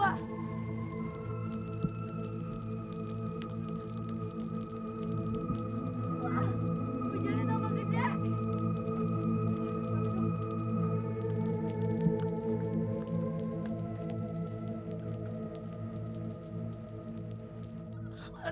wah apa jadi nama gede